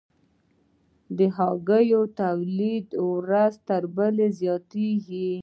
د هګیو تولیدات ورځ تر بلې زیاتیږي